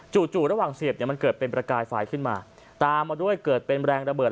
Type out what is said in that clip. จู่ระหว่างเสียบเนี่ยมันเกิดเป็นประกายไฟขึ้นมาตามมาด้วยเกิดเป็นแรงระเบิด